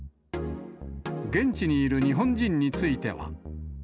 現地にいる日本人については。